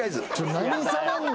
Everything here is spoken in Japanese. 何されんの？